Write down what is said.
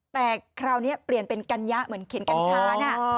แต่คราวนี้เปลี่ยนเป็นกัญญะเหมือนเขียนกัญชานะ